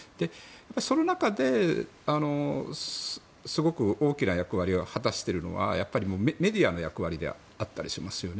その中で、すごく大きな役割を果たしているのはやっぱりメディアの役割であったりしますよね。